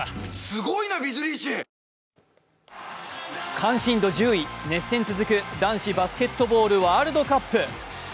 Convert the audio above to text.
関心度１０位、熱戦続くバスケットボールワールドカップ。